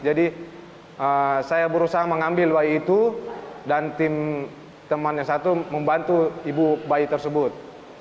jadi saya berusaha mengambil bayi itu dan tim teman yang satu membantu ibu bayi tersebut